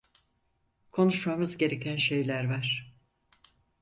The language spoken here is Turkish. Konuşmamız gereken şeyler var.